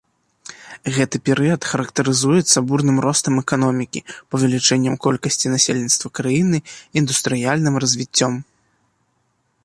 Гэты перыяд характарызуецца бурным ростам эканомікі, павелічэннем колькасці насельніцтва краіны, індустрыяльным развіццём.